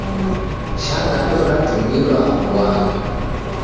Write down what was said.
Shangagho ratumilwa kuagha.